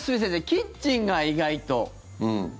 キッチンが意外と。